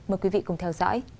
mời quý vị cùng theo dõi